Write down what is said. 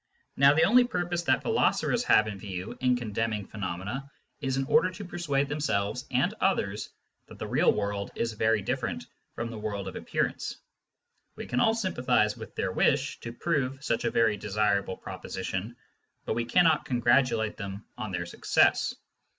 Now the only purpose that philosophers 62 Introduction to Mathematical Philosophy have in view in condemning phenomena is in order to persuade themselves and others that the real world is very different from the world of appearance. We can all sympathise with their wish to prove such a very desirable proposition, but we cannot con gratulate them on their success.